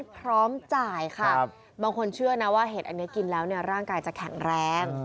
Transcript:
พร้อมจ่ายค่ะบางคนเชื่อนะว่าเห็ดอันนี้กินแล้วเนี่ยร่างกายจะแข็งแรง